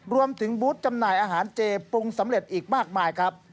รวมถึงบูธจำหน่ายอาหารเจปรุงสำเร็จอีกมากมายครับ